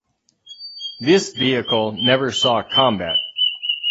This vehicle never saw combat.